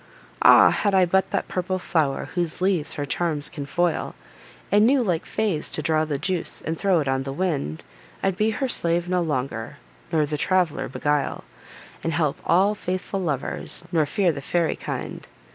O! had I but that purple flow'r whose leaves her charms can foil, And knew like fays to draw the juice, and throw it on the wind, I'd be her slave no longer, nor the traveller beguile, And help all faithful lovers, nor fear the fairy kind!